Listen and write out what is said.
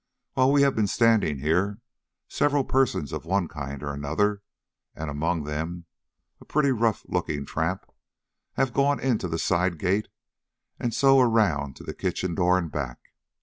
"While we have been standing here, several persons of one kind or another, and among them a pretty rough looking tramp, have gone into the side gate and so around to the kitchen door and back.